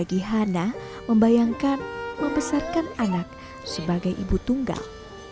gihana membayangkan membesarkan anak sebagai ibu tunggal